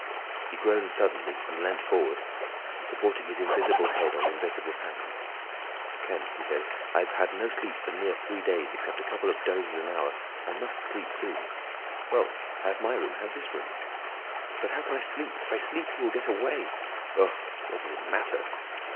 He groaned suddenly and leant forward, supporting his invisible head on invisible hands. "Kemp," he said, "I've had no sleep for near three days, except a couple of dozes of an hour or so. I must sleep soon." "Well, have my room—have this room." "But how can I sleep? If I sleep—he will get away. Ugh! What does it matter?"